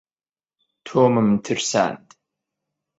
تۆمم ترساند.